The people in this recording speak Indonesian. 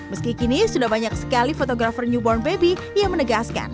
meski kini sudah banyak sekali fotografer newborn baby yang menegaskan